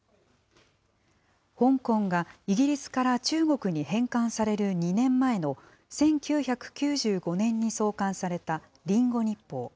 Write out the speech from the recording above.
香港がイギリスから中国に返還される２年前の１９９５年に創刊された、リンゴ日報。